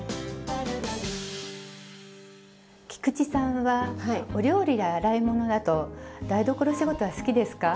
菊池さんはお料理や洗い物など台所仕事は好きですか？